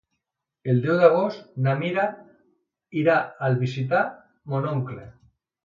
El deu d'agost na Mira irà a visitar mon oncle.